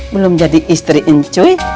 belum jadi istri incuy